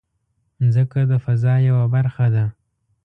مځکه د فضا یوه برخه ده.